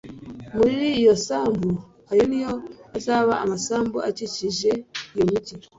muri iyo sambu ayo ni yo azaba amasambu akikije iyo migi